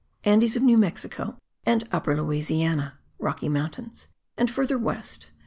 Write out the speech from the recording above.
Andes of New Mexico and Upper Louisiana (Rocky Mountains) and further west.